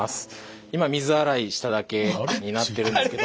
今水洗いしただけになってるんですけど。